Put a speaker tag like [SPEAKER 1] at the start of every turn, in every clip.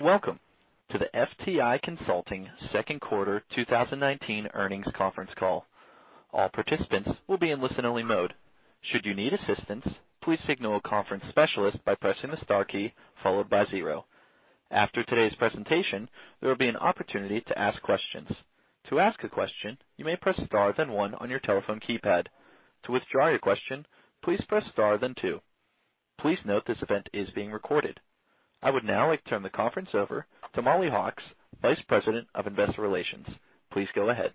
[SPEAKER 1] Welcome to the FTI Consulting second quarter 2019 earnings conference call. All participants will be in listen-only mode. Should you need assistance, please signal a conference specialist by pressing the star key followed by zero. After today's presentation, there will be an opportunity to ask questions. To ask a question, you may press star then one on your telephone keypad. To withdraw your question, please press star then two. Please note this event is being recorded. I would now like to turn the conference over to Mollie Hawkes, Vice President, Investor Relations. Please go ahead.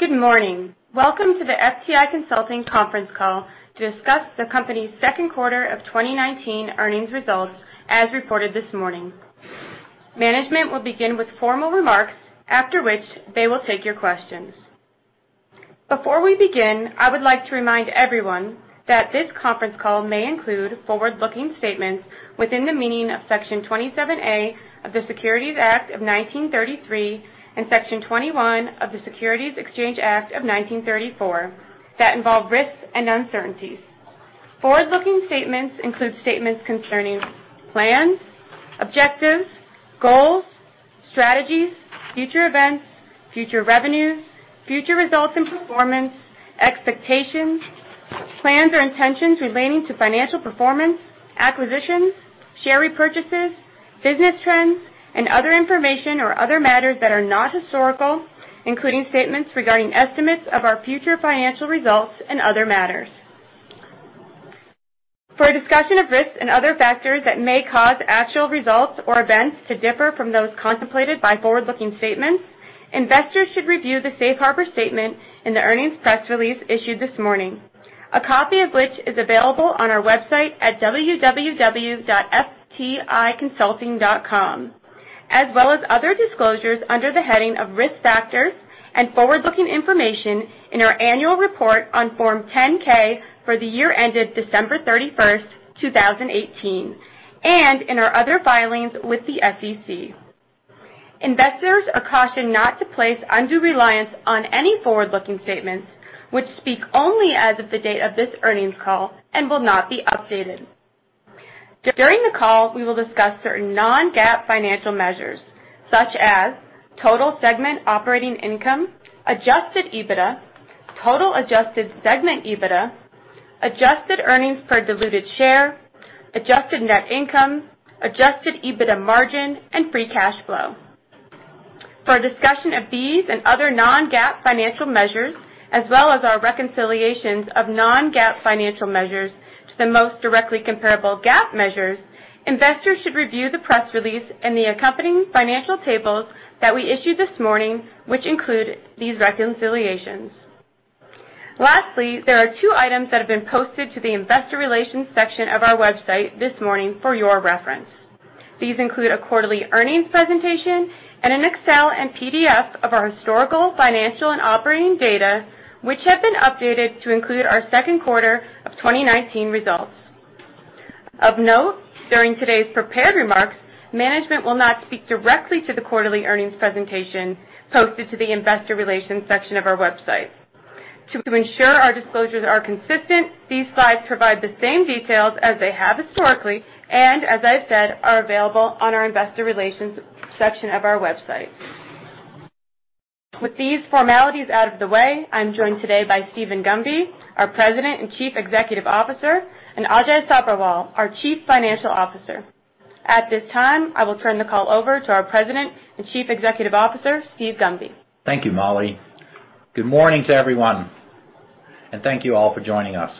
[SPEAKER 2] Good morning. Welcome to the FTI Consulting conference call to discuss the company's second quarter of 2019 earnings results as reported this morning. Management will begin with formal remarks, after which they will take your questions. Before we begin, I would like to remind everyone that this conference call may include forward-looking statements within the meaning of Section 27A of the Securities Act of 1933 and Section 21 of the Securities Exchange Act of 1934 that involve risks and uncertainties. Forward-looking statements include statements concerning plans, objectives, goals, strategies, future events, future revenues, future results and performance, expectations, plans or intentions relating to financial performance, acquisitions, share repurchases, business trends, and other information or other matters that are not historical, including statements regarding estimates of our future financial results and other matters. For a discussion of risks and other factors that may cause actual results or events to differ from those contemplated by forward-looking statements, investors should review the safe harbor statement in the earnings press release issued this morning, a copy of which is available on our website at www.fticonsulting.com, as well as other disclosures under the heading of Risk Factors and Forward-Looking Information in our annual report on Form 10-K for the year ended December 31st, 2018, and in our other filings with the SEC. Investors are cautioned not to place undue reliance on any forward-looking statements, which speak only as of the date of this earnings call and will not be updated. During the call, we will discuss certain non-GAAP financial measures such as total segment operating income, adjusted EBITDA, total adjusted segment EBITDA, adjusted earnings per diluted share, adjusted net income, adjusted EBITDA margin, and free cash flow. For a discussion of these and other non-GAAP financial measures, as well as our reconciliations of non-GAAP financial measures to the most directly comparable GAAP measures, investors should review the press release and the accompanying financial tables that we issued this morning, which include these reconciliations. Lastly, there are two items that have been posted to the Investor Relations section of our website this morning for your reference. These include a quarterly earnings presentation and an Excel and PDF of our historical financial and operating data, which have been updated to include our second quarter of 2019 results. Of note, during today's prepared remarks, management will not speak directly to the quarterly earnings presentation posted to the Investor Relations section of our website. To ensure our disclosures are consistent, these slides provide the same details as they have historically, and as I said, are available on our investor relations section of our website. With these formalities out of the way, I'm joined today by Steven Gunby, our President and Chief Executive Officer, and Ajay Sabherwal, our Chief Financial Officer. At this time, I will turn the call over to our President and Chief Executive Officer, Steven Gunby.
[SPEAKER 3] Thank you, Mollie. Good morning to everyone, and thank you all for joining us.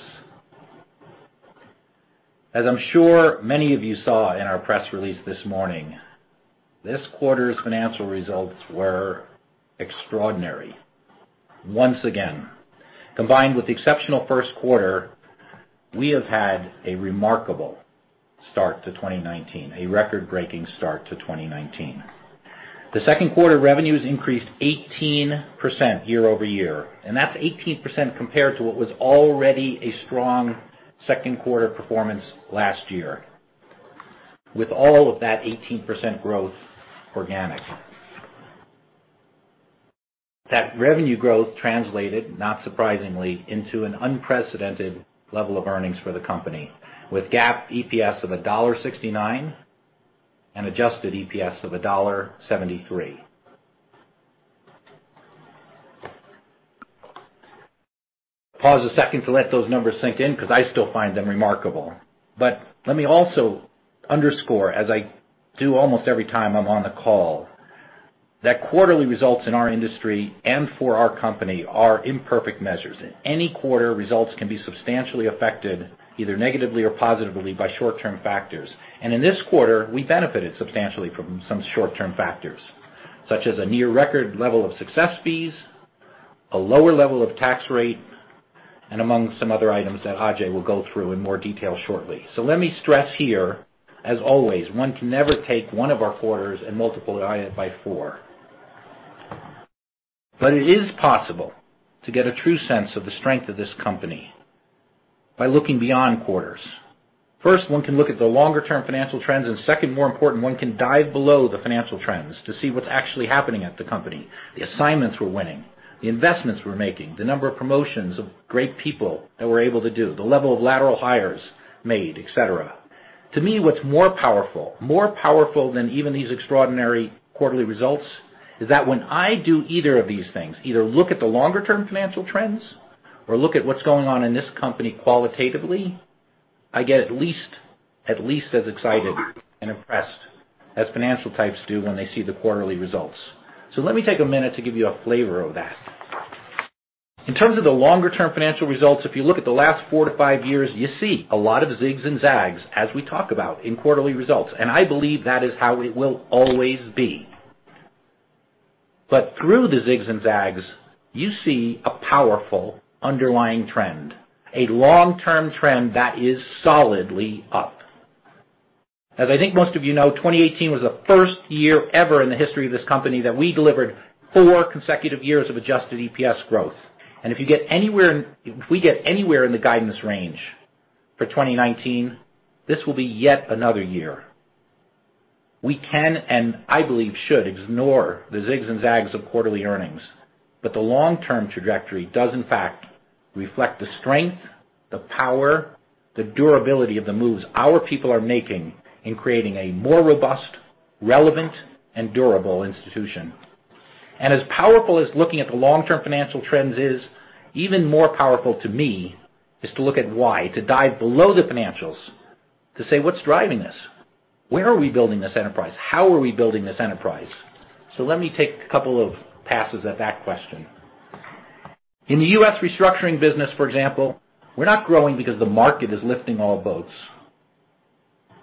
[SPEAKER 3] As I'm sure many of you saw in our press release this morning, this quarter's financial results were extraordinary once again. Combined with the exceptional first quarter, we have had a remarkable start to 2019, a record-breaking start to 2019. The second quarter revenues increased 18% year-over-year. That's 18% compared to what was already a strong second quarter performance last year, with all of that 18% growth organic. That revenue growth translated, not surprisingly, into an unprecedented level of earnings for the company with GAAP EPS of $1.69 and adjusted EPS of $1.73. Pause a second to let those numbers sink in, because I still find them remarkable. Let me also underscore, as I do almost every time I'm on the call, that quarterly results in our industry and for our company are imperfect measures. In any quarter, results can be substantially affected, either negatively or positively, by short-term factors. In this quarter, we benefited substantially from some short-term factors, such as a near record level of success fees, a lower level of tax rate, and among some other items that Ajay will go through in more detail shortly. Let me stress here, as always, one can never take one of our quarters and multiply it by four. It is possible to get a true sense of the strength of this company by looking beyond quarters. First, one can look at the longer-term financial trends. Second, more important, one can dive below the financial trends to see what's actually happening at the company, the assignments we're winning. The investments we're making, the number of promotions of great people that we're able to do, the level of lateral hires made, et cetera. To me, what's more powerful than even these extraordinary quarterly results, is that when I do either of these things, either look at the longer term financial trends or look at what's going on in this company qualitatively, I get at least as excited and impressed as financial types do when they see the quarterly results. Let me take a minute to give you a flavor of that. In terms of the longer term financial results, if you look at the last four to five years, you see a lot of zigs and zags as we talk about in quarterly results, and I believe that is how it will always be. Through the zigs and zags, you see a powerful underlying trend, a long-term trend that is solidly up. As I think most of you know, 2018 was the first year ever in the history of this company that we delivered four consecutive years of adjusted EPS growth. If we get anywhere in the guidance range for 2019, this will be yet another year. We can, and I believe, should ignore the zigs and zags of quarterly earnings, but the long-term trajectory does in fact reflect the strength, the power, the durability of the moves our people are making in creating a more robust, relevant, and durable institution. As powerful as looking at the long-term financial trends is, even more powerful to me, is to look at why. To dive below the financials, to say, "What's driving this? Where are we building this enterprise? How are we building this enterprise?" Let me take a couple of passes at that question. In the U.S. restructuring business, for example, we're not growing because the market is lifting all boats,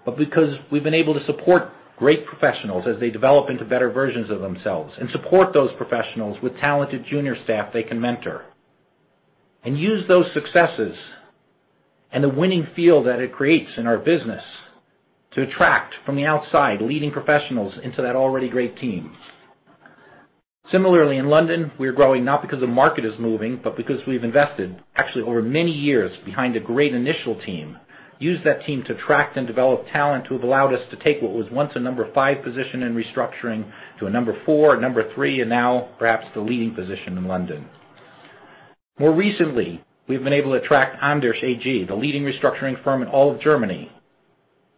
[SPEAKER 3] but because we've been able to support great professionals as they develop into better versions of themselves, and support those professionals with talented junior staff they can mentor. Use those successes and the winning feel that it creates in our business to attract from the outside, leading professionals into that already great team. Similarly, in London, we're growing not because the market is moving, but because we've invested actually over many years behind a great initial team, used that team to attract and develop talent who have allowed us to take what was once a number 5 position in restructuring to a number 4, number 3, and now perhaps the leading position in London. More recently, we've been able to attract Andersch AG, the leading restructuring firm in all of Germany,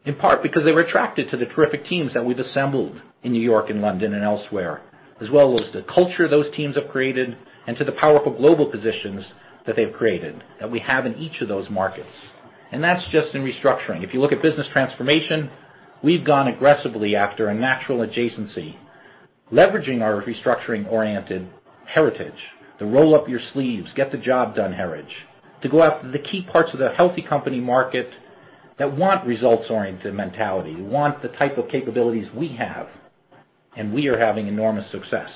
[SPEAKER 3] in part because they were attracted to the terrific teams that we've assembled in New York and London and elsewhere, as well as the culture those teams have created and to the powerful global positions that they've created that we have in each of those markets. That's just in restructuring. If you look at business transformation, we've gone aggressively after a natural adjacency, leveraging our restructuring-oriented heritage. The roll up your sleeves, get the job done heritage. To go after the key parts of the healthy company market that want results-oriented mentality, want the type of capabilities we have, and we are having enormous success.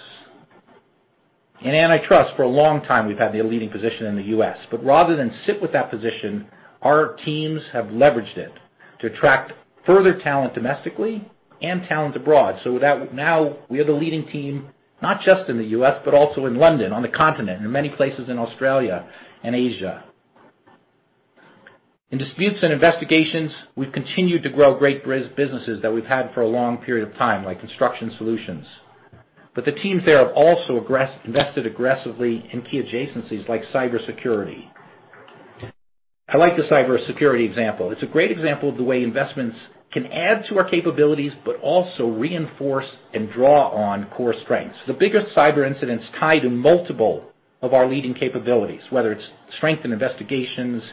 [SPEAKER 3] In antitrust, for a long time, we've had the leading position in the U.S., but rather than sit with that position, our teams have leveraged it to attract further talent domestically and talent abroad. With that, now we are the leading team, not just in the U.S., but also in London, on the continent, and in many places in Australia and Asia. In disputes and investigations, we've continued to grow great businesses that we've had for a long period of time, like construction solutions. The teams there have also invested aggressively in key adjacencies like cybersecurity. I like the cybersecurity example. It's a great example of the way investments can add to our capabilities but also reinforce and draw on core strengths. The biggest cyber incidents tie to multiple of our leading capabilities, whether it's strength in investigations,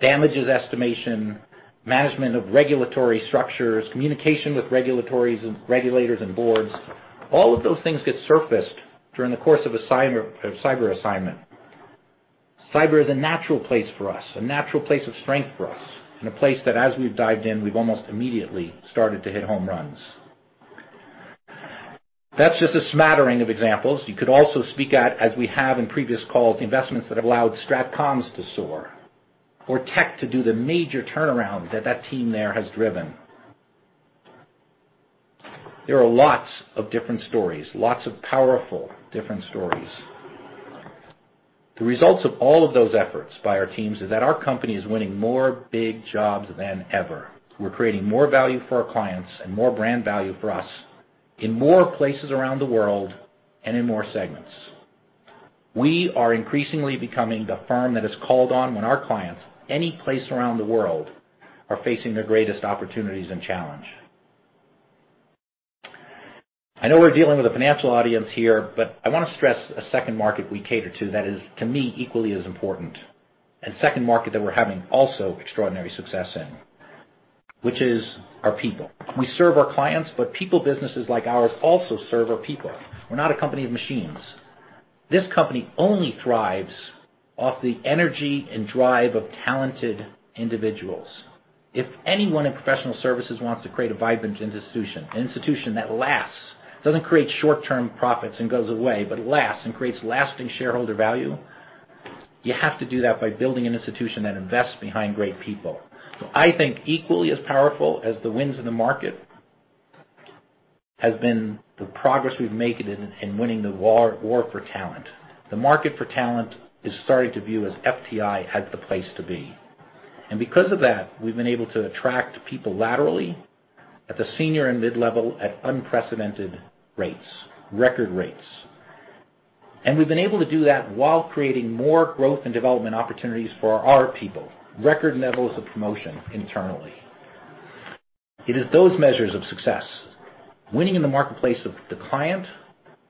[SPEAKER 3] damages estimation, management of regulatory structures, communication with regulators and boards. All of those things get surfaced during the course of cyber assignment. Cyber is a natural place for us, a natural place of strength for us, and a place that as we've dived in, we've almost immediately started to hit home runs. That's just a smattering of examples. You could also speak at, as we have in previous calls, investments that have allowed StratComs to soar or Tech to do the major turnaround that team there has driven. There are lots of different stories, lots of powerful, different stories. The results of all of those efforts by our teams is that our company is winning more big jobs than ever. We're creating more value for our clients and more brand value for us in more places around the world and in more segments. We are increasingly becoming the firm that is called on when our clients, any place around the world, are facing their greatest opportunities and challenge. I know we're dealing with a financial audience here, but I want to stress a second market we cater to that is, to me, equally as important and second market that we're having also extraordinary success in, which is our people. We serve our clients, but people businesses like ours also serve our people. We're not a company of machines. This company only thrives off the energy and drive of talented individuals. If anyone in professional services wants to create a vibrant institution, an institution that lasts, doesn't create short-term profits and goes away, but lasts and creates lasting shareholder value, you have to do that by building an institution that invests behind great people. I think equally as powerful as the winds in the market, has been the progress we've made in winning the war for talent. The market for talent is starting to view us, FTI, as the place to be. Because of that, we've been able to attract people laterally at the senior and mid-level at unprecedented rates, record rates. We've been able to do that while creating more growth and development opportunities for our people. Record levels of promotion internally. It is those measures of success, winning in the marketplace of the client,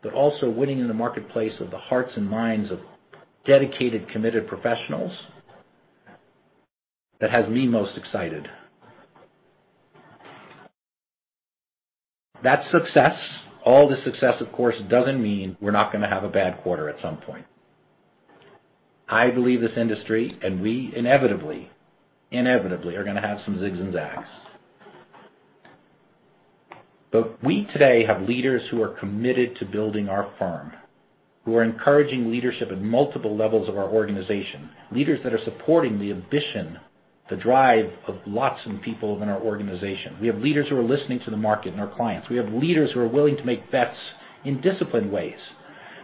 [SPEAKER 3] but also winning in the marketplace of the hearts and minds of dedicated, committed professionals, that has me most excited. That success, all the success, of course, doesn't mean we're not going to have a bad quarter at some point. I believe this industry, and we inevitably are going to have some zigs and zags. We today have leaders who are committed to building our firm, who are encouraging leadership at multiple levels of our organization, leaders that are supporting the ambition, the drive of lots of people within our organization. We have leaders who are listening to the market and our clients. We have leaders who are willing to make bets in disciplined ways.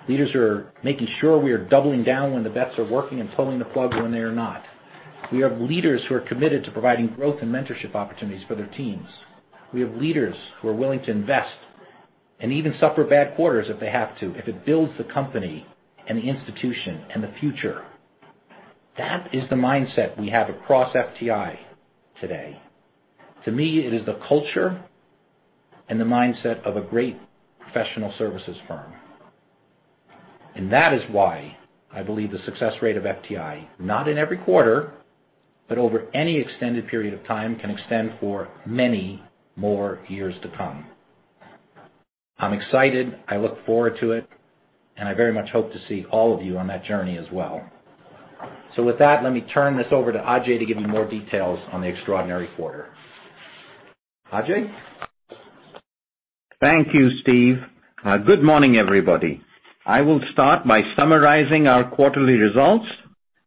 [SPEAKER 3] Leaders who are making sure we are doubling down when the bets are working and pulling the plug when they are not. We have leaders who are committed to providing growth and mentorship opportunities for their teams. We have leaders who are willing to invest and even suffer bad quarters if they have to, if it builds the company and the institution and the future. That is the mindset we have across FTI today. To me, it is the culture and the mindset of a great professional services firm. That is why I believe the success rate of FTI, not in every quarter, but over any extended period of time, can extend for many more years to come. I'm excited. I look forward to it, and I very much hope to see all of you on that journey as well. With that, let me turn this over to Ajay to give you more details on the extraordinary quarter. Ajay?
[SPEAKER 4] Thank you, Steve. Good morning, everybody. I will start by summarizing our quarterly results.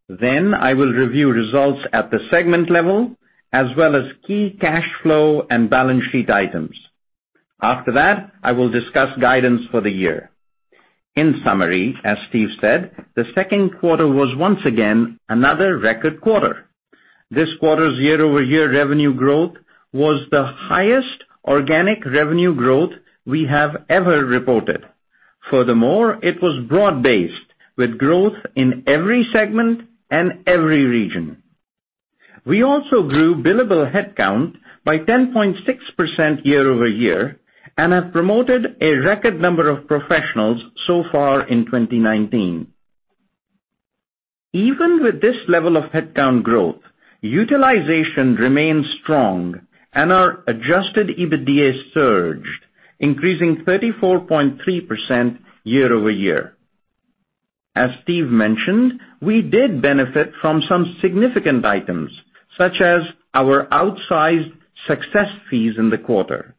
[SPEAKER 4] I will review results at the segment level, as well as key cash flow and balance sheet items. I will discuss guidance for the year. In summary, as Steve said, the second quarter was once again another record quarter. This quarter's year-over-year revenue growth was the highest organic revenue growth we have ever reported. It was broad-based, with growth in every segment and every region. We also grew billable headcount by 10.6% year-over-year and have promoted a record number of professionals so far in 2019. Even with this level of headcount growth, utilization remains strong and our adjusted EBITDA surged, increasing 34.3% year-over-year. As Steve mentioned, we did benefit from some significant items, such as our outsized success fees in the quarter.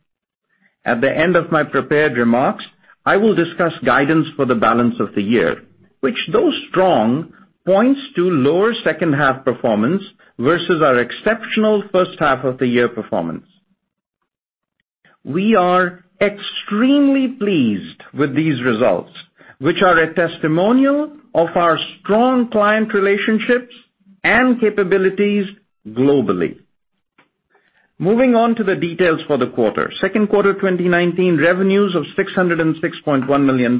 [SPEAKER 4] At the end of my prepared remarks, I will discuss guidance for the balance of the year, which, though strong, points to lower second half performance versus our exceptional first half of the year performance. We are extremely pleased with these results, which are a testimonial of our strong client relationships and capabilities globally. Moving on to the details for the quarter. Second quarter 2019 revenues of $606.1 million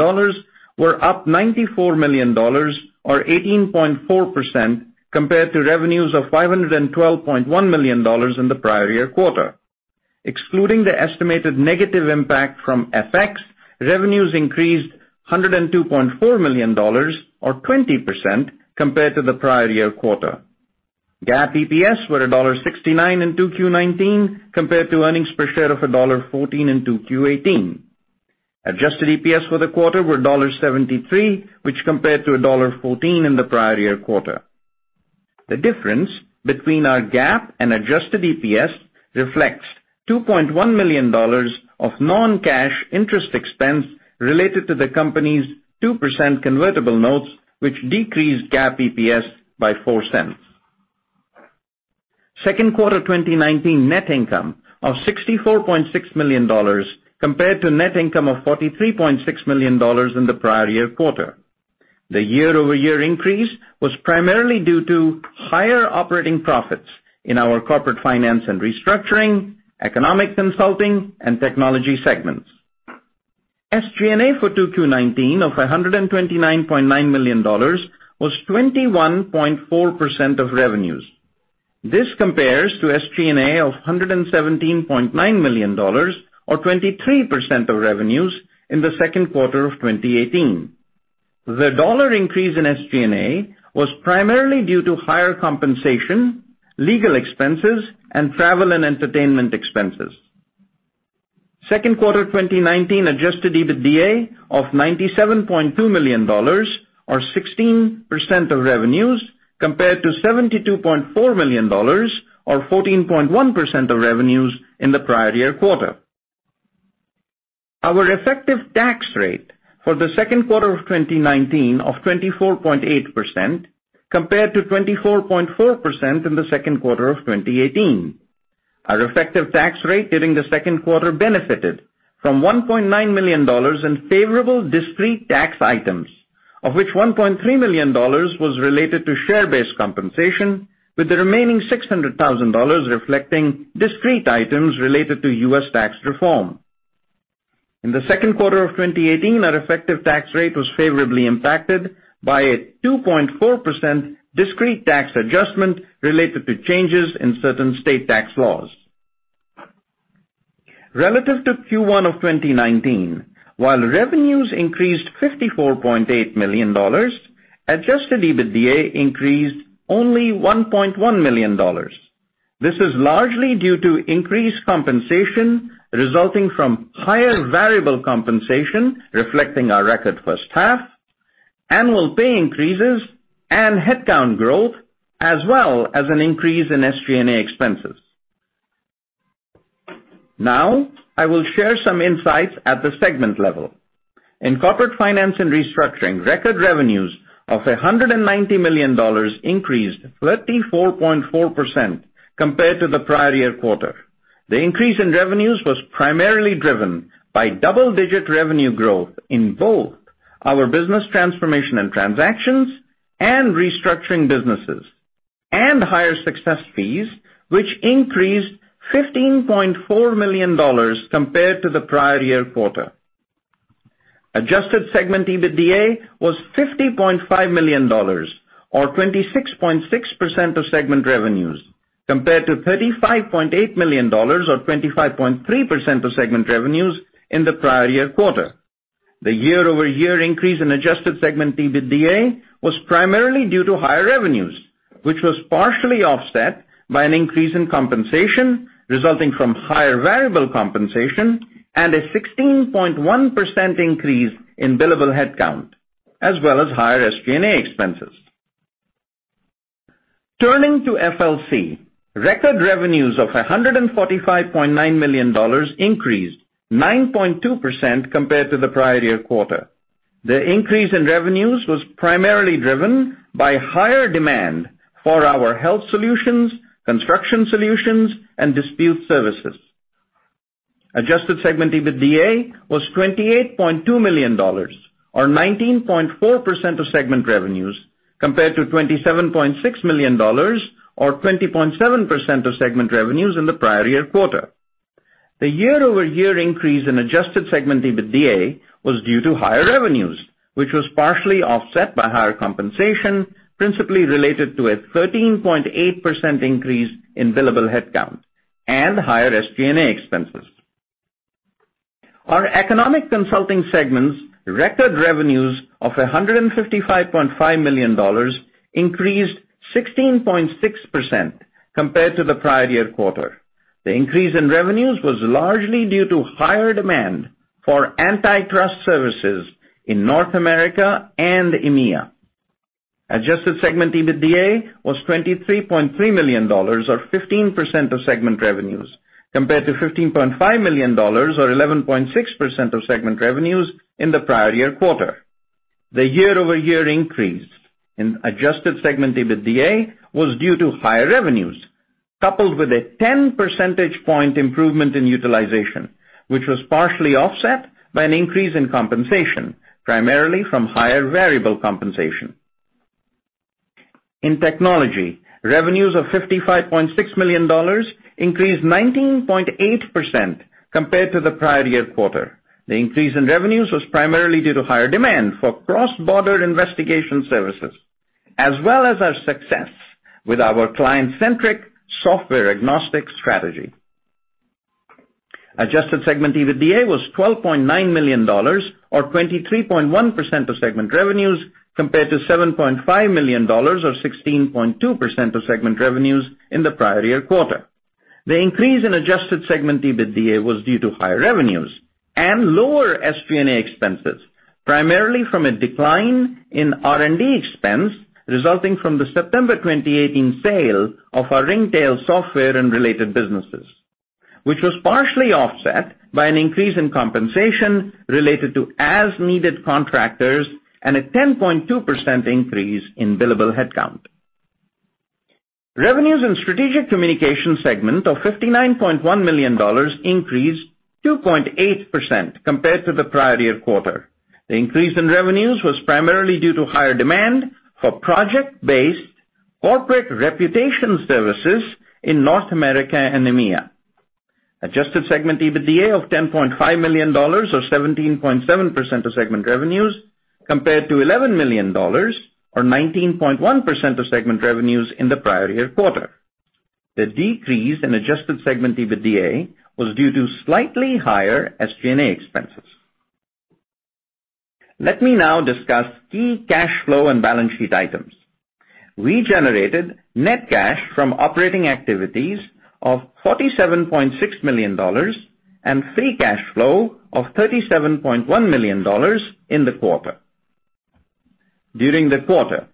[SPEAKER 4] were up $94 million or 18.4% compared to revenues of $512.1 million in the prior year quarter. Excluding the estimated negative impact from FX, revenues increased $102.4 million or 20% compared to the prior year quarter. GAAP EPS were $1.69 in 2Q 2019 compared to earnings per share of $1.14 in 2Q 2018. Adjusted EPS for the quarter were $1.73, which compared to $1.14 in the prior year quarter. The difference between our GAAP and adjusted EPS reflects $2.1 million of non-cash interest expense related to the company's 2% convertible notes, which decreased GAAP EPS by $0.04. Second quarter 2019 net income of $64.6 million compared to net income of $43.6 million in the prior year quarter. The year-over-year increase was primarily due to higher operating profits in our Corporate Finance & Restructuring, Economic Consulting, and Technology segments. SG&A for 2Q 2019 of $129.9 million was 21.4% of revenues. This compares to SG&A of $117.9 million or 23% of revenues in the second quarter of 2018. The dollar increase in SG&A was primarily due to higher compensation, legal expenses, and travel and entertainment expenses. Second quarter 2019 adjusted EBITDA of $97.2 million or 16% of revenues compared to $72.4 million or 14.1% of revenues in the prior year quarter. Our effective tax rate for the second quarter of 2019 of 24.8% compared to 24.4% in the second quarter of 2018. Our effective tax rate during the second quarter benefited from $1.9 million in favorable discrete tax items, of which $1.3 million was related to share-based compensation, with the remaining $600,000 reflecting discrete items related to U.S. tax reform. In the second quarter of 2018, our effective tax rate was favorably impacted by a 2.4% discrete tax adjustment related to changes in certain state tax laws. Relative to Q1 of 2019, while revenues increased $54.8 million, adjusted EBITDA increased only $1.1 million. This is largely due to increased compensation resulting from higher variable compensation reflecting our record first half, annual pay increases, and headcount growth, as well as an increase in SG&A expenses. Now, I will share some insights at the segment level. In Corporate Finance & Restructuring, record revenues of $190 million increased 34.4% compared to the prior year quarter. The increase in revenues was primarily driven by double-digit revenue growth in both our business transformation and transactions and restructuring businesses, and higher success fees, which increased $15.4 million compared to the prior year quarter. Adjusted segment EBITDA was $50.5 million, or 26.6% of segment revenues, compared to $35.8 million, or 25.3% of segment revenues in the prior year quarter. The year-over-year increase in adjusted segment EBITDA was primarily due to higher revenues, which was partially offset by an increase in compensation resulting from higher variable compensation and a 16.1% increase in billable headcount, as well as higher SG&A expenses. Turning to FLC, record revenues of $145.9 million increased 9.2% compared to the prior year quarter. The increase in revenues was primarily driven by higher demand for our health solutions, construction solutions, and dispute services. Adjusted segment EBITDA was $28.2 million, or 19.4% of segment revenues, compared to $27.6 million, or 20.7% of segment revenues in the prior year quarter. The year-over-year increase in adjusted segment EBITDA was due to higher revenues, which was partially offset by higher compensation, principally related to a 13.8% increase in billable headcount and higher SG&A expenses. Our Economic Consulting segment's record revenues of $155.5 million increased 16.6% compared to the prior year quarter. The increase in revenues was largely due to higher demand for antitrust services in North America and EMEA. Adjusted segment EBITDA was $23.3 million, or 15% of segment revenues, compared to $15.5 million, or 11.6% of segment revenues in the prior year quarter. The year-over-year increase in adjusted segment EBITDA was due to higher revenues, coupled with a 10 percentage point improvement in utilization, which was partially offset by an increase in compensation, primarily from higher variable compensation. In Technology, revenues of $55.6 million increased 19.8% compared to the prior year quarter. The increase in revenues was primarily due to higher demand for cross-border investigation services, as well as our success with our client-centric, software-agnostic strategy. Adjusted segment EBITDA was $12.9 million, or 23.1% of segment revenues, compared to $7.5 million, or 16.2% of segment revenues in the prior year quarter. The increase in adjusted segment EBITDA was due to higher revenues and lower SG&A expenses, primarily from a decline in R&D expense resulting from the September 2018 sale of our Ringtail software and related businesses, which was partially offset by an increase in compensation related to as-needed contractors and a 10.2% increase in billable headcount. Revenues in Strategic Communications segment of $59.1 million increased 2.8% compared to the prior year quarter. The increase in revenues was primarily due to higher demand for project-based corporate reputation services in North America and EMEA. Adjusted segment EBITDA of $10.5 million or 17.7% of segment revenues compared to $11 million or 19.1% of segment revenues in the prior year quarter. The decrease in adjusted segment EBITDA was due to slightly higher SG&A expenses. Let me now discuss key cash flow and balance sheet items. We generated net cash from operating activities of $47.6 million and free cash flow of $37.1 million in the quarter. During the quarter,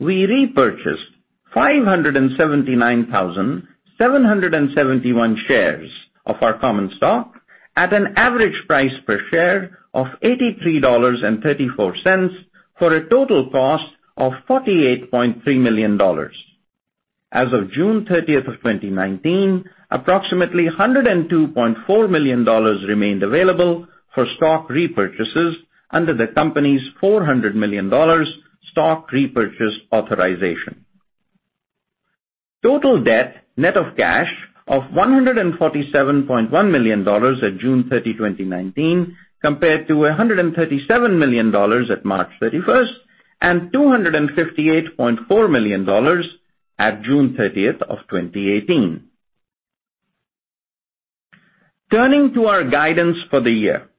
[SPEAKER 4] we repurchased 579,771 shares of our common stock at an average price per share of $83.34 for a total cost of $48.3 million. As of June 30, 2019, approximately $102.4 million remained available for stock repurchases under the company's $400 million stock repurchase authorization. Total debt, net of cash, of $147.1 million at June 30, 2019, compared to $137 million at March 31 and $258.4 million at June 30, 2018. Turning to our guidance for the year.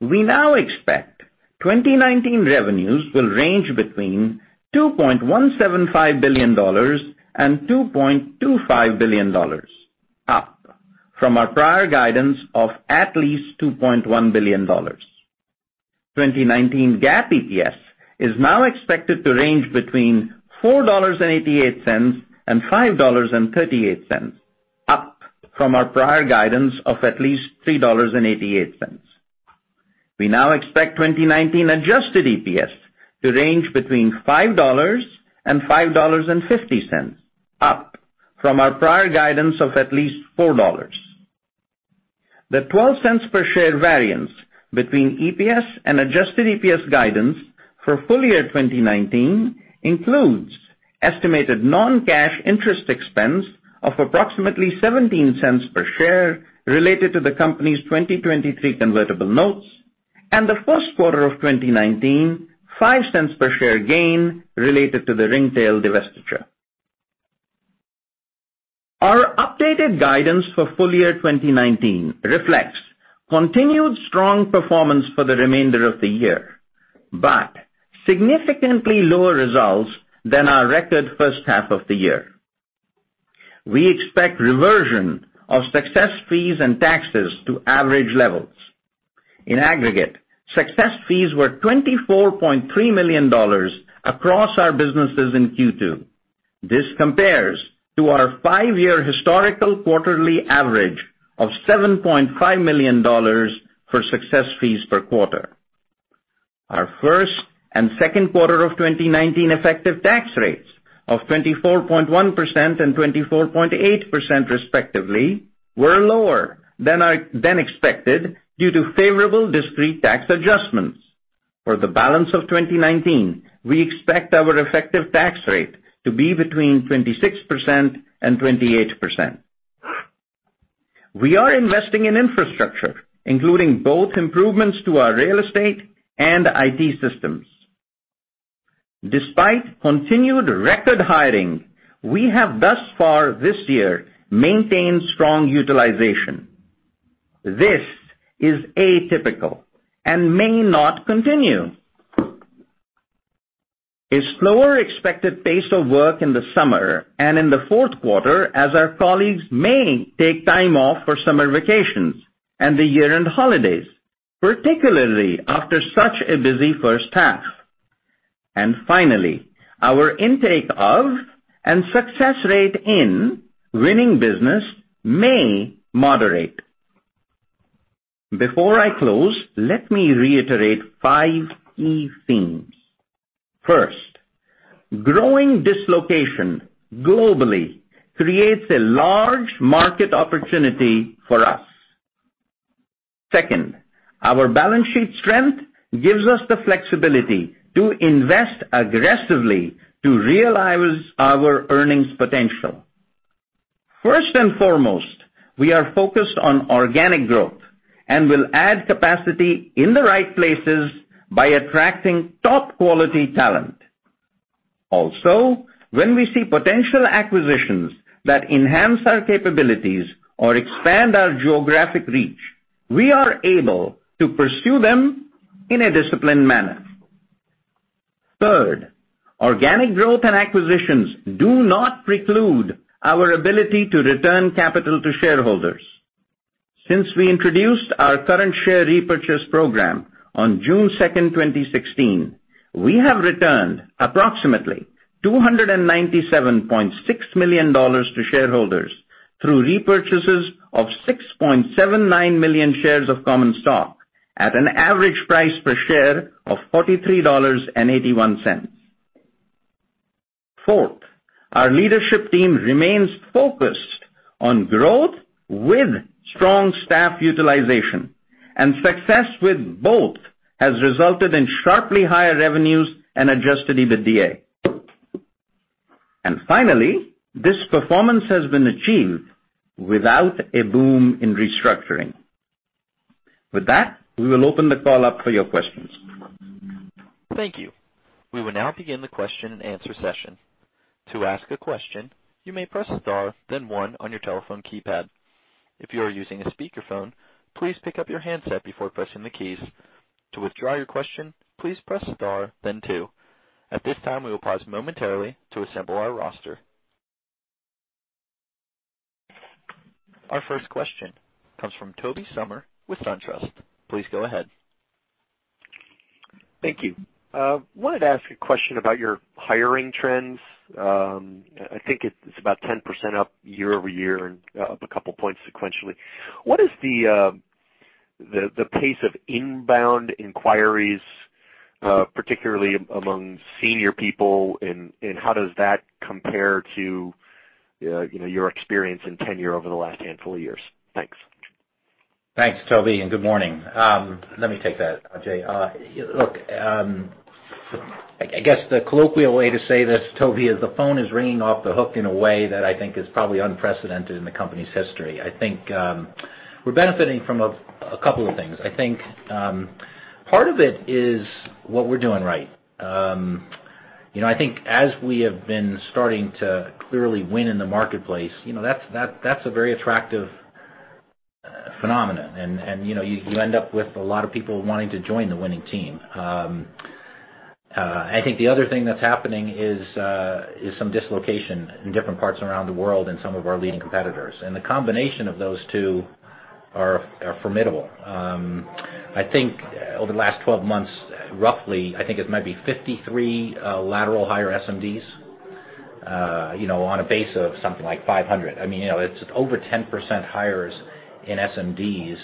[SPEAKER 4] We now expect 2019 revenues will range between $2.175 billion and $2.25 billion, up from our prior guidance of at least $2.1 billion. 2019 GAAP EPS is now expected to range between $4.88 and $5.38, up from our prior guidance of at least $3.88. We now expect 2019 adjusted EPS to range between $5 and $5.50, up from our prior guidance of at least $4. The $0.12 per share variance between EPS and adjusted EPS guidance for full year 2019 includes estimated non-cash interest expense of approximately $0.17 per share related to the company's 2023 convertible notes and the first quarter of 2019 $0.05 per share gain related to the Ringtail divestiture. Our updated guidance for full year 2019 reflects continued strong performance for the remainder of the year, but significantly lower results than our record first half of the year. We expect reversion of success fees and taxes to average levels. In aggregate, success fees were $24.3 million across our businesses in Q2. This compares to our five-year historical quarterly average of $7.5 million for success fees per quarter. Our first and second quarter of 2019 effective tax rates of 24.1% and 24.8%, respectively, were lower than expected due to favorable discrete tax adjustments. For the balance of 2019, we expect our effective tax rate to be between 26% and 28%. We are investing in infrastructure, including both improvements to our real estate and IT systems. Despite continued record hiring, we have thus far this year maintained strong utilization. This is atypical and may not continue. A slower expected pace of work in the summer and in the fourth quarter as our colleagues may take time off for summer vacations and the year-end holidays, particularly after such a busy first half. Finally, our intake of and success rate in winning business may moderate. Before I close, let me reiterate 5 key themes. First, growing dislocation globally creates a large market opportunity for us. Second, our balance sheet strength gives us the flexibility to invest aggressively to realize our earnings potential. First and foremost, we are focused on organic growth and will add capacity in the right places by attracting top quality talent. When we see potential acquisitions that enhance our capabilities or expand our geographic reach, we are able to pursue them in a disciplined manner. Third, organic growth and acquisitions do not preclude our ability to return capital to shareholders. Since we introduced our current share repurchase program on June 2nd, 2016, we have returned approximately $297.6 million to shareholders through repurchases of 6.79 million shares of common stock at an average price per share of $43.81. Fourth, our leadership team remains focused on growth with strong staff utilization and success with both has resulted in sharply higher revenues and adjusted EBITDA. Finally, this performance has been achieved without a boom in restructuring. With that, we will open the call up for your questions.
[SPEAKER 1] Thank you. We will now begin the question and answer session. To ask a question, you may press star, then one on your telephone keypad. If you are using a speakerphone, please pick up your handset before pressing the keys. To withdraw your question, please press star, then two. At this time, we will pause momentarily to assemble our roster. Our first question comes from Tobey Sommer with SunTrust. Please go ahead.
[SPEAKER 5] Thank you. Wanted to ask a question about your hiring trends. I think it's about 10% up year-over-year and up a couple points sequentially. What is the pace of inbound inquiries, particularly among senior people, and how does that compare to your experience in tenure over the last handful of years? Thanks.
[SPEAKER 3] Thanks, Tobey, and good morning. Let me take that, Ajay. Look, I guess the colloquial way to say this, Tobey, is the phone is ringing off the hook in a way that I think is probably unprecedented in the company's history. I think we're benefiting from a couple of things. I think part of it is what we're doing right. I think as we have been starting to clearly win in the marketplace, that's a very attractive phenomenon, and you end up with a lot of people wanting to join the winning team. I think the other thing that's happening is some dislocation in different parts around the world and some of our leading competitors. The combination of those two are formidable. I think over the last 12 months, roughly, I think it might be 53 lateral hire SMDs, on a base of something like 500. It's over 10% hires in SMDs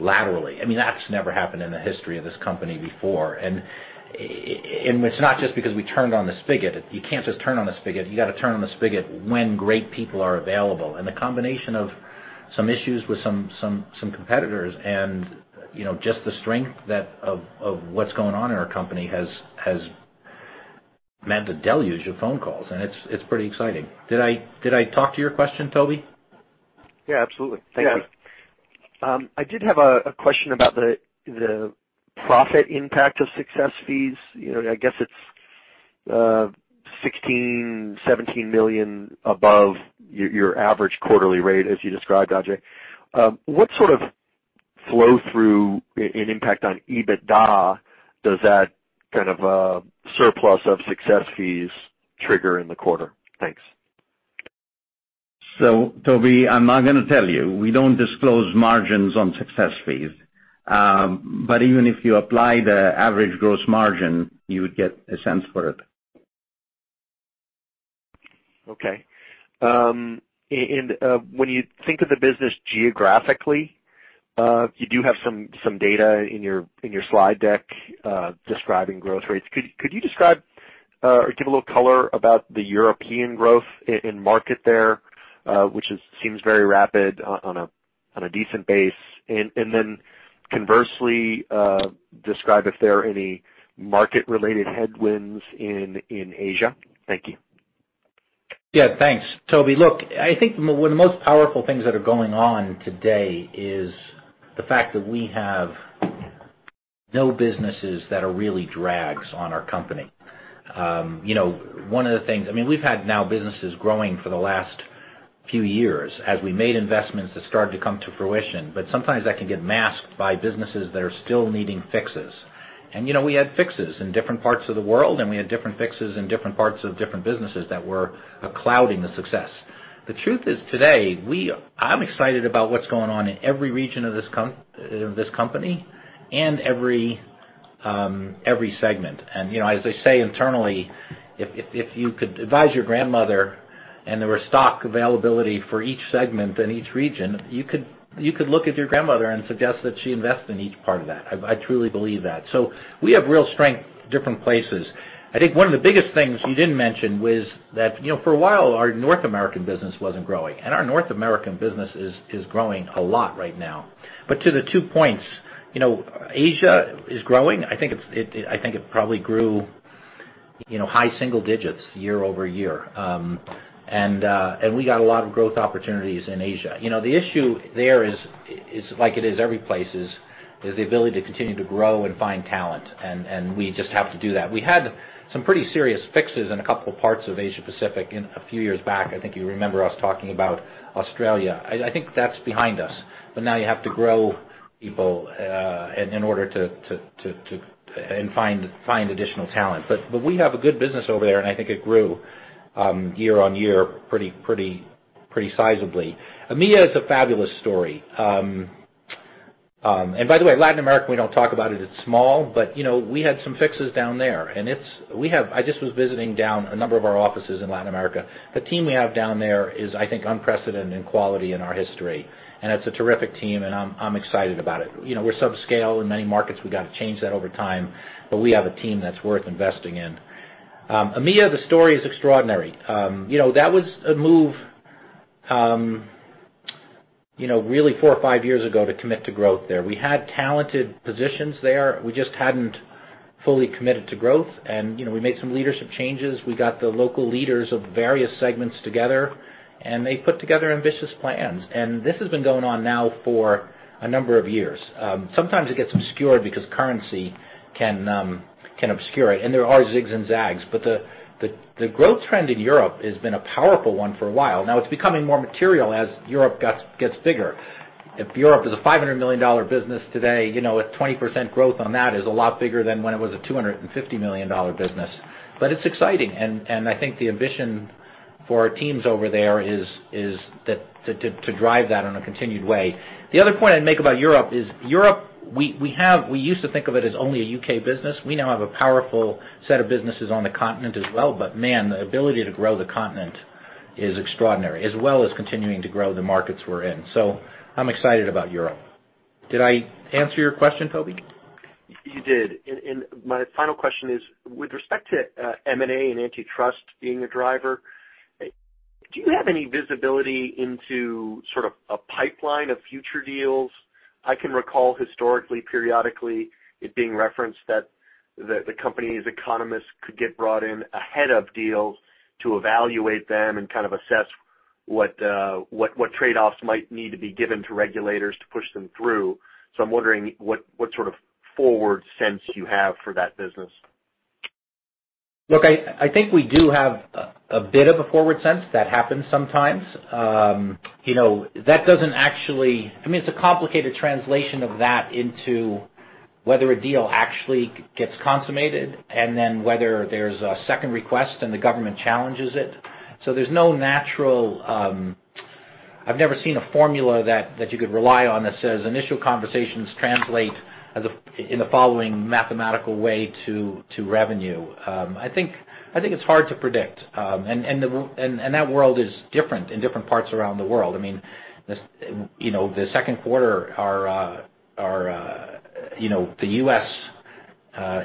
[SPEAKER 3] laterally. That's never happened in the history of this company before, and it's not just because we turned on the spigot. You can't just turn on the spigot. You got to turn on the spigot when great people are available. The combination of some issues with some competitors and just the strength of what's going on in our company has meant a deluge of phone calls, and it's pretty exciting. Did I talk to your question, Tobey?
[SPEAKER 5] Yeah, absolutely. Thank you.
[SPEAKER 3] Yeah.
[SPEAKER 5] I did have a question about the profit impact of success fees. I guess it's $16 million, $17 million above your average quarterly rate, as you described, Ajay. What sort of flow-through in impact on EBITDA does that kind of surplus of success fees trigger in the quarter? Thanks.
[SPEAKER 4] Tobey, I'm not going to tell you. We don't disclose margins on success fees. Even if you apply the average gross margin, you would get a sense for it.
[SPEAKER 5] Okay. When you think of the business geographically, you do have some data in your slide deck describing growth rates. Could you describe or give a little color about the European growth in market there, which seems very rapid on a decent base? Conversely, describe if there are any market-related headwinds in Asia. Thank you.
[SPEAKER 3] Yeah. Thanks, Tobey. Look, I think one of the most powerful things that are going on today is the fact that we have no businesses that are really drags on our company. We've had now businesses growing for the last few years as we made investments that started to come to fruition, sometimes that can get masked by businesses that are still needing fixes. We had fixes in different parts of the world, and we had different fixes in different parts of different businesses that were clouding the success. The truth is today, I'm excited about what's going on in every region of this company and every segment. As I say internally, if you could advise your grandmother and there were stock availability for each segment in each region, you could look at your grandmother and suggest that she invest in each part of that. I truly believe that. We have real strength different places. I think one of the biggest things you didn't mention was that, for a while, our North American business wasn't growing, and our North American business is growing a lot right now. To the two points, Asia is growing. I think it probably grew high single digits year-over-year. We got a lot of growth opportunities in Asia. The issue there is like it is every place, is the ability to continue to grow and find talent, and we just have to do that. We had some pretty serious fixes in a couple parts of Asia Pacific in a few years back. I think you remember us talking about Australia. I think that's behind us, but now you have to grow people in order to find additional talent. We have a good business over there, and I think it grew year-over-year pretty sizably. EMEA is a fabulous story. By the way, Latin America, we don't talk about it. It's small, but we had some fixes down there. I just was visiting down a number of our offices in Latin America. The team we have down there is, I think, unprecedented in quality in our history, and it's a terrific team, and I'm excited about it. We're subscale in many markets. We got to change that over time, but we have a team that's worth investing in. EMEA, the story is extraordinary. That was a move, really four or five years ago to commit to growth there. We had talented positions there. We just hadn't fully committed to growth, and we made some leadership changes. We got the local leaders of various segments together, and they put together ambitious plans. This has been going on now for a number of years. Sometimes it gets obscured because currency can obscure it, and there are zigs and zags. The growth trend in Europe has been a powerful one for a while. Now it's becoming more material as Europe gets bigger. If Europe is a $500 million business today, a 20% growth on that is a lot bigger than when it was a $250 million business. It's exciting, and I think the ambition for our teams over there is to drive that in a continued way. The other point I'd make about Europe is, Europe, we used to think of it as only a U.K. business. We now have a powerful set of businesses on the continent as well, but man, the ability to grow the continent is extraordinary, as well as continuing to grow the markets we're in. I'm excited about Europe. Did I answer your question, Tobey?
[SPEAKER 5] You did. My final question is, with respect to M&A and antitrust being a driver, do you have any visibility into sort of a pipeline of future deals? I can recall historically, periodically, it being referenced that the company's economists could get brought in ahead of deals to evaluate them and kind of assess what trade-offs might need to be given to regulators to push them through. I'm wondering what sort of forward sense you have for that business.
[SPEAKER 3] Look, I think we do have a bit of a forward sense. That happens sometimes. It's a complicated translation of that into whether a deal actually gets consummated and then whether there's a second request and the government challenges it. I've never seen a formula that you could rely on that says initial conversations translate in the following mathematical way to revenue. I think it's hard to predict. That world is different in different parts around the world. The second quarter, the U.S.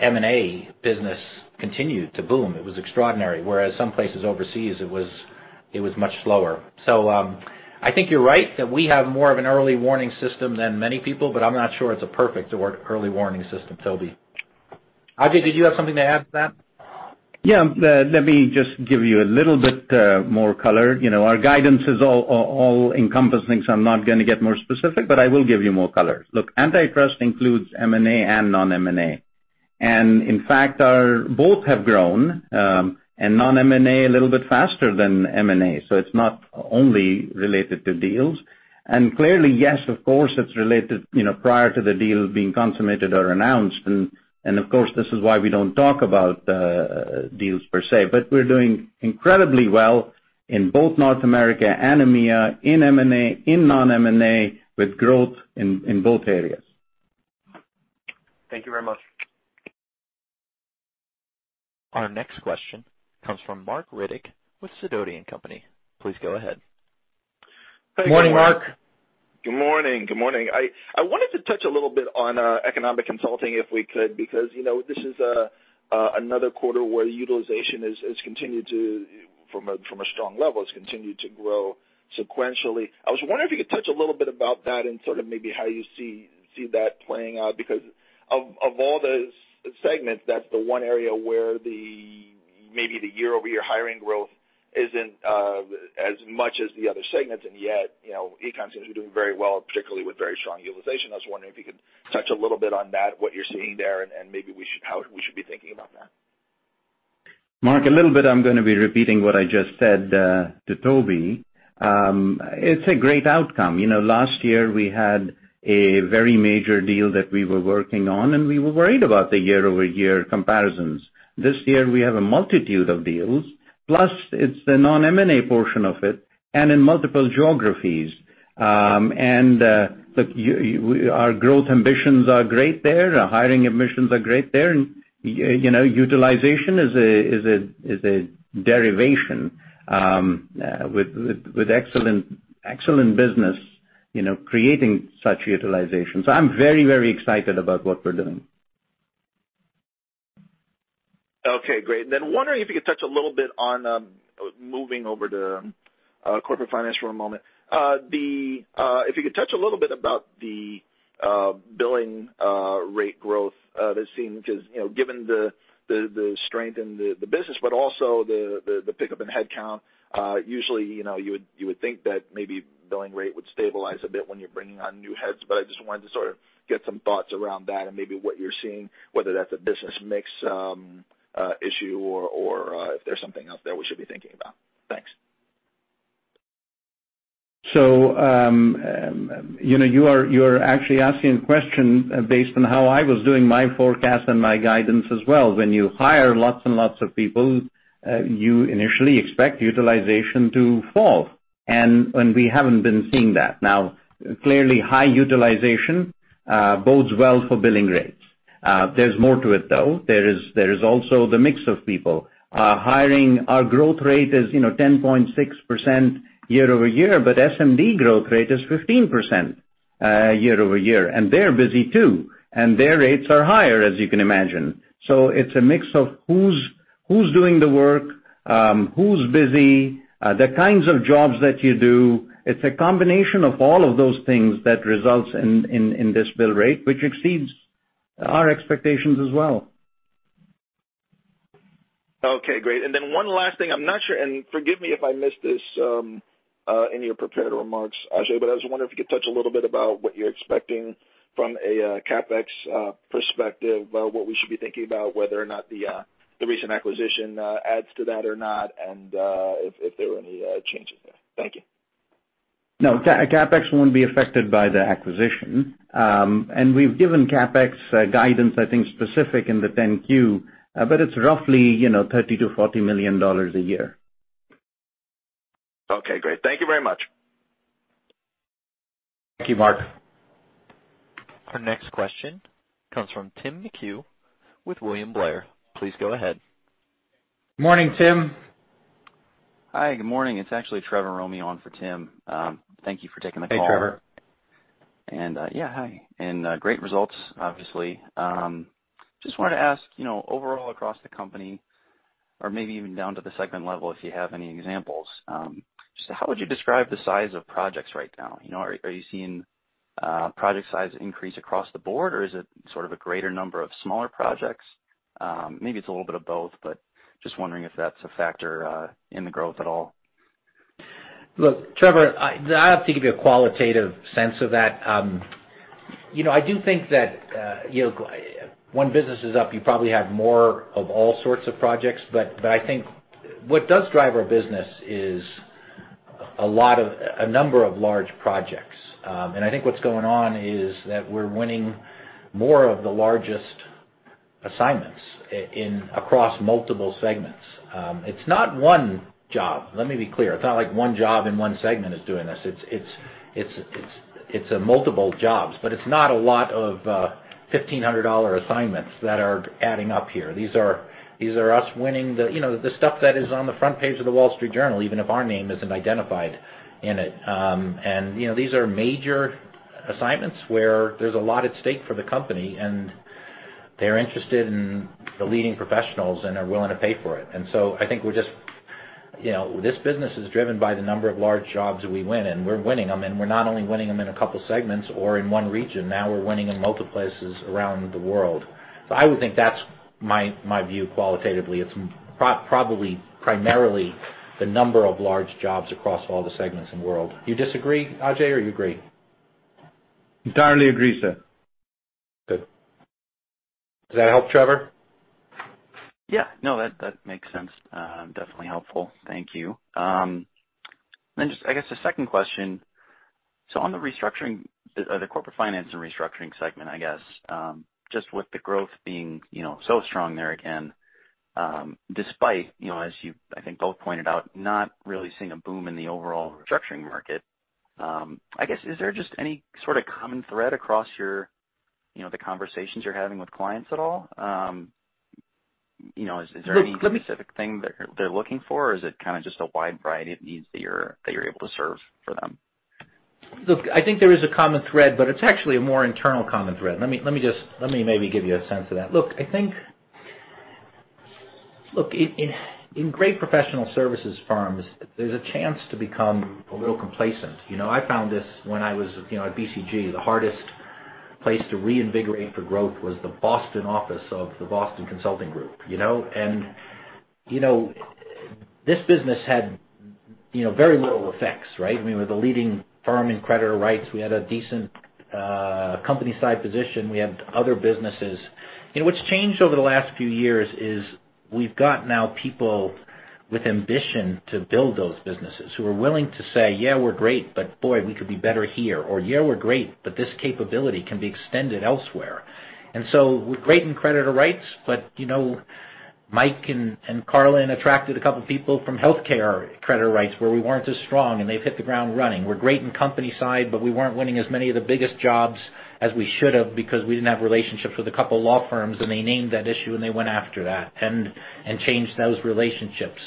[SPEAKER 3] M&A business continued to boom. It was extraordinary, whereas some places overseas it was much slower. I think you're right that we have more of an early warning system than many people, but I'm not sure it's a perfect early warning system, Tobey. Ajay, did you have something to add to that?
[SPEAKER 4] Yeah. Let me just give you a little bit more color. Our guidance is all-encompassing, so I'm not going to get more specific, but I will give you more color. Look, antitrust includes M&A and non-M&A. In fact, both have grown, and non-M&A a little bit faster than M&A, so it's not only related to deals. Clearly, yes, of course, it's related prior to the deal being consummated or announced, and of course, this is why we don't talk about deals per se. We're doing incredibly well in both North America and EMEA, in M&A, in non-M&A, with growth in both areas.
[SPEAKER 5] Thank you very much.
[SPEAKER 1] Our next question comes from Marc Riddick with Sidoti & Company. Please go ahead.
[SPEAKER 4] Morning, Marc.
[SPEAKER 6] Good morning. I wanted to touch a little bit on Economic Consulting if we could, because this is another quarter where utilization, from a strong level, has continued to grow sequentially. I was wondering if you could touch a little bit about that and sort of maybe how you see that playing out, because of all the segments, that's the one area where maybe the year-over-year hiring growth isn't as much as the other segments, and yet, econ seems to be doing very well, particularly with very strong utilization. I was wondering if you could touch a little bit on that, what you're seeing there, and maybe how we should be thinking about that.
[SPEAKER 4] Marc, a little bit I'm going to be repeating what I just said to Tobey. It's a great outcome. Last year, we had a very major deal that we were working on, and we were worried about the year-over-year comparisons. This year, we have a multitude of deals, plus it's the non-M&A portion of it and in multiple geographies. Look, our growth ambitions are great there. Our hiring ambitions are great there, and utilization is a derivation with excellent business creating such utilization. I'm very excited about what we're doing.
[SPEAKER 6] Okay, great. Wondering if you could touch a little bit on moving over to Corporate Finance & Restructuring for a moment. If you could touch a little bit about the billing rate growth that seemed to, given the strength in the business, but also the pickup in headcount. Usually, you would think that maybe billing rate would stabilize a bit when you're bringing on new heads, but I just wanted to sort of get some thoughts around that and maybe what you're seeing, whether that's a business mix issue or if there's something else there we should be thinking about. Thanks.
[SPEAKER 4] You're actually asking a question based on how I was doing my forecast and my guidance as well. When you hire lots and lots of people, you initially expect utilization to fall, and we haven't been seeing that. Clearly, high utilization bodes well for billing rates. There's more to it, though. There is also the mix of people. Our growth rate is 10.6% year-over-year, but SMD growth rate is 15% year-over-year, and they're busy too, and their rates are higher, as you can imagine. It's a mix of who's doing the work, who's busy, the kinds of jobs that you do. It's a combination of all of those things that results in this bill rate, which exceeds our expectations as well.
[SPEAKER 6] Okay, great. One last thing. I'm not sure, and forgive me if I missed this in your prepared remarks, Ajay, but I was wondering if you could touch a little bit about what you're expecting from a CapEx perspective, what we should be thinking about, whether or not the recent acquisition adds to that or not, and if there were any changes there. Thank you.
[SPEAKER 4] No, CapEx won't be affected by the acquisition. We've given CapEx guidance, I think, specific in the 10-Q, but it's roughly $30 million-$40 million a year.
[SPEAKER 6] Okay, great. Thank you very much.
[SPEAKER 3] Thank you, Marc.
[SPEAKER 1] Our next question comes from Tim McHugh with William Blair. Please go ahead.
[SPEAKER 3] Morning, Tim.
[SPEAKER 7] Hi, good morning. It's actually Trevor Romeo on for Tim. Thank you for taking the call.
[SPEAKER 3] Hey, Trevor.
[SPEAKER 7] Yeah, hi, and great results, obviously. Just wanted to ask, overall across the company or maybe even down to the segment level if you have any examples, just how would you describe the size of projects right now? Are you seeing project size increase across the board or is it sort of a greater number of smaller projects? Maybe it's a little bit of both, just wondering if that's a factor in the growth at all.
[SPEAKER 3] Look, Trevor, I'd have to give you a qualitative sense of that. I do think that when business is up, you probably have more of all sorts of projects, but I think what does drive our business is a number of large projects. I think what's going on is that we're winning more of the largest assignments across multiple segments. It's not one job. Let me be clear. It's not like one job in one segment is doing this. It's multiple jobs, but it's not a lot of $1,500 assignments that are adding up here. These are us winning the stuff that is on the front page of "The Wall Street Journal," even if our name isn't identified in it. These are major assignments where there's a lot at stake for the company, and they're interested in the leading professionals and are willing to pay for it. I think this business is driven by the number of large jobs that we win, and we're winning them. We're not only winning them in a couple of segments or in one region, now we're winning in multiple places around the world. I would think that's my view qualitatively. It's probably primarily the number of large jobs across all the segments in the world. You disagree, Ajay, or you agree?
[SPEAKER 4] Entirely agree, Steve.
[SPEAKER 3] Good. Does that help, Trevor?
[SPEAKER 7] Yeah. No, that makes sense. Definitely helpful. Thank you. Just, I guess the second question, on the Corporate Finance & Restructuring segment, I guess, just with the growth being so strong there again, despite, as you, I think, both pointed out, not really seeing a boom in the overall restructuring market. I guess, is there just any sort of common thread across the conversations you're having with clients at all?
[SPEAKER 3] Look, let me-
[SPEAKER 7] Is there any specific thing they're looking for or is it kind of just a wide variety of needs that you're able to serve for them?
[SPEAKER 3] Look, I think there is a common thread, but it's actually a more internal common thread. Let me maybe give you a sense of that. Look, in great professional services firms, there's a chance to become a little complacent. I found this when I was at BCG. The hardest place to reinvigorate for growth was the Boston office of the Boston Consulting Group. This business had very little FX, right? We were the leading firm in creditor rights. We had a decent company side position. We had other businesses. What's changed over the last few years is we've got now people with ambition to build those businesses who are willing to say, "Yeah, we're great, but boy, we could be better here," or, "Yeah, we're great, but this capability can be extended elsewhere." We're great in creditor rights, but Mike and Carlyn attracted a couple of people from healthcare creditor rights where we weren't as strong, and they've hit the ground running. We're great in company side, but we weren't winning as many of the biggest jobs as we should have because we didn't have relationships with a couple of law firms, and they named that issue and they went after that and changed those relationships.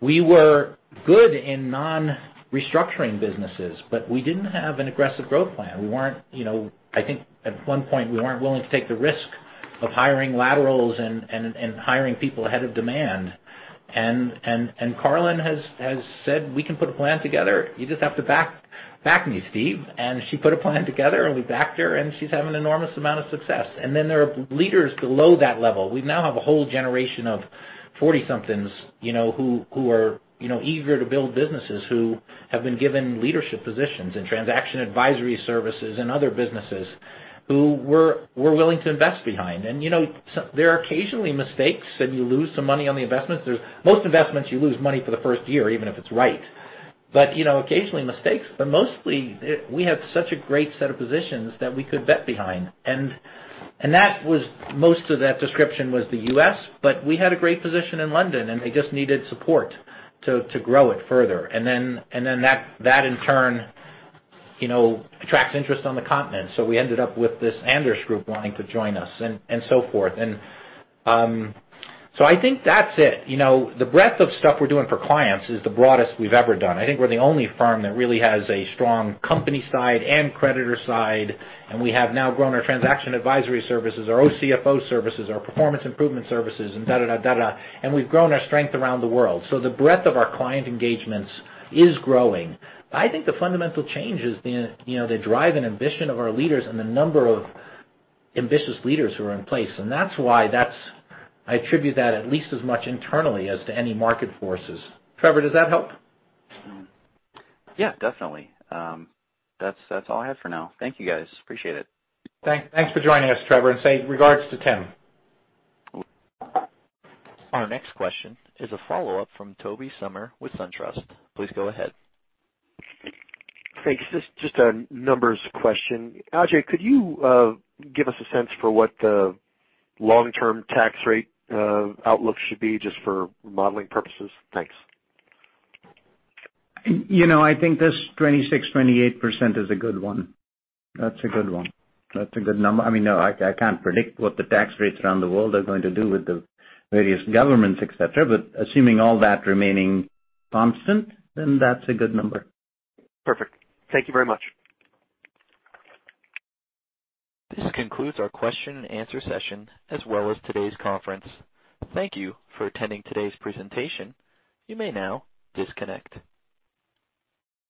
[SPEAKER 3] We were good in non-restructuring businesses, but we didn't have an aggressive growth plan. I think at one point, we weren't willing to take the risk of hiring laterals and hiring people ahead of demand. Carlyn has said, "We can put a plan together. You just have to back me, Steve." She put a plan together, and we backed her, and she's having an enormous amount of success. Then there are leaders below that level. We now have a whole generation of 40-somethings who are eager to build businesses who have been given leadership positions in transaction advisory services and other businesses who we're willing to invest behind. There are occasionally mistakes, and you lose some money on the investments. Most investments, you lose money for the first year, even if it's right. Occasionally mistakes, but mostly, we have such a great set of positions that we could bet behind. Most of that description was the U.S., but we had a great position in London, and they just needed support to grow it further. That in turn attracts interest on the continent. We ended up with this Andersch Group wanting to join us and so forth. I think that's it. The breadth of stuff we're doing for clients is the broadest we've ever done. I think we're the only firm that really has a strong company side and creditor side, and we have now grown our transaction advisory services, our OCFO services, our performance improvement services. We've grown our strength around the world. The breadth of our client engagements is growing. I think the fundamental change is the drive and ambition of our leaders and the number of ambitious leaders who are in place. That's why I attribute that at least as much internally as to any market forces. Trevor, does that help?
[SPEAKER 7] Yeah, definitely. That's all I had for now. Thank you, guys. Appreciate it.
[SPEAKER 3] Thanks for joining us, Trevor, and say regards to Tim.
[SPEAKER 1] Our next question is a follow-up from Tobey Sommer with SunTrust. Please go ahead.
[SPEAKER 5] Thanks. Just a numbers question. Ajay, could you give us a sense for what the long-term tax rate outlook should be just for modeling purposes? Thanks.
[SPEAKER 4] I think this 26%, 28% is a good one. That's a good one. That's a good number. I can't predict what the tax rates around the world are going to do with the various governments, et cetera, but assuming all that remaining constant, then that's a good number.
[SPEAKER 5] Perfect. Thank you very much.
[SPEAKER 1] This concludes our question and answer session, as well as today's conference. Thank you for attending today's presentation. You may now disconnect.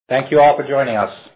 [SPEAKER 3] Thank you all for joining us.